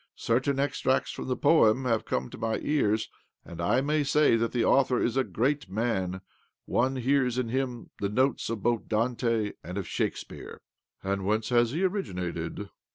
Certain extracts from the poem have come to my ears, and I may say that the author is a greatman— one hears in him the notes both of Dante and of Shakespeare." "And whence has he originated?"